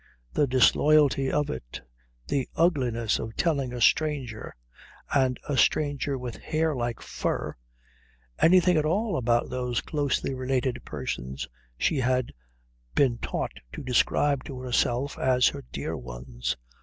The disloyalty of it. The ugliness of telling a stranger and a stranger with hair like fur anything at all about those closely related persons she had been taught to describe to herself as her dear ones.